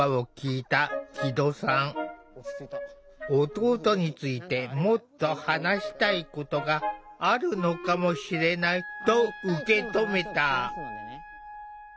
弟についてもっと話したいことがあるのかもしれないと受け止めた。